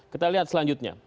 kita lihat selanjutnya